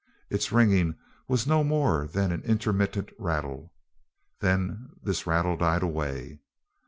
Its ringing was no more than an intermittent rattle. Then this rattle died away.